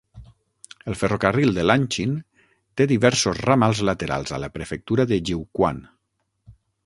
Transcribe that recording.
El ferrocarril de Lanxin té diversos ramals laterals a la prefectura de Jiuquan.